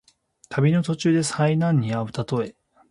旅の途中で災難にあうたとえ。